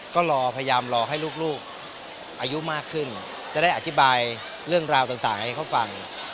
ก็รอพยายามรอให้ลูกอายุมากขึ้นจะได้อธิบายเรื่องราวต่างให้เขาฟัง